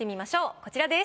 こちらです。